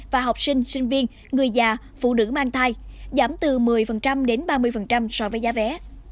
và học sinh sinh viên người già phụ nữ mang thai giảm từ một mươi đến ba mươi so với giá vé